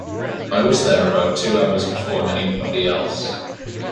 I was there about two hours before anybody else.